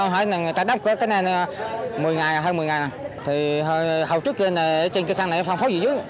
hầu trước kia trên cây xăng này phong phố dị dứt